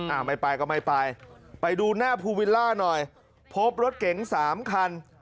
อ่าไม่ไปก็ไม่ไปไปดูหน้าภูวิลล่าหน่อยพบรถเก๋งสามคัน